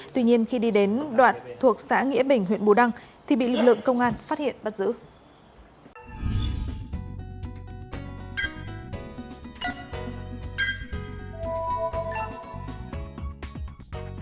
tuy nhiên khi đi đến đoạn thuộc xã nghĩa bình huyện bù đăng thì bị lực lượng công an phát hiện bắt giữ